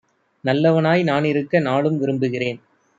நல்லவனாய் நானிருக்க நாளும் விரும்புகிறேன்."